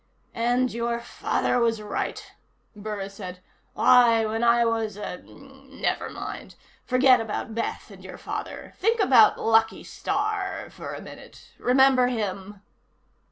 "And your father was right," Burris said. "Why, when I was a never mind. Forget about Beth and your father. Think about Lucky Starr for a minute. Remember him?"